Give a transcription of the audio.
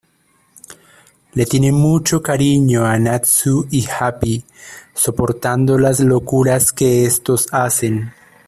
Le tiene mucho cariño a Natsu y Happy, soportando las locuras que estos hacen.